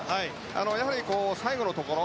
やはり最後のところ。